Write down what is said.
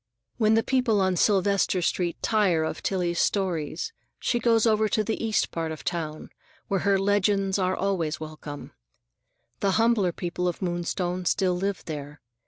When the people on Sylvester Street tire of Tillie's stories, she goes over to the east part of town, where her legends are always welcome. The humbler people of Moonstone still live there.